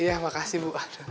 iya makasih bu